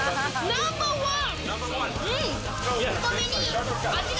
ナンバーワン？